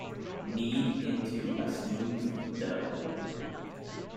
Knead into a smooth dough.